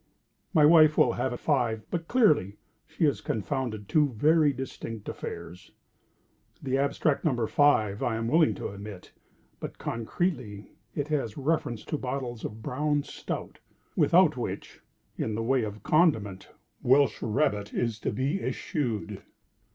My wife will have it five;—but, clearly, she has confounded two very distinct affairs. The abstract number, five, I am willing to admit; but, concretely, it has reference to bottles of Brown Stout, without which, in the way of condiment, Welsh rabbit is to be eschewed.